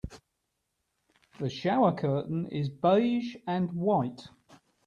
The shower curtain is beige and white.